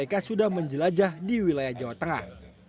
kepada kpp sudah menjelajah di wilayah jawa tengah